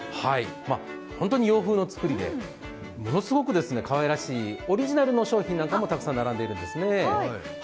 本当に洋風の造りで、ものすごくかわいらしいオリジナルの商品なんかもたくさん並んでいるんですね。